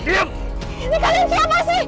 ini kalian siapa sih